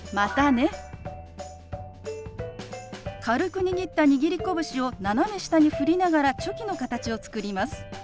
軽く握った握り拳を斜め下に振りながらチョキの形を作ります。